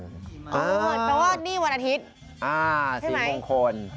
แค่ว่าในวันอาทิตย์